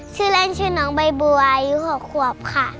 ชื่อเล่นชื่อน้องใบบัวอายุ๖ขวบค่ะ